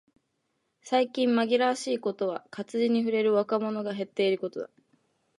最近嘆かわしいことは、活字に触れる若者が減っていることだ。